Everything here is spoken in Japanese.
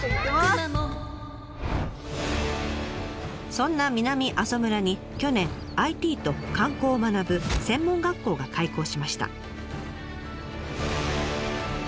そんな南阿蘇村に去年ＩＴと観光を学ぶ専門学校が開校しました。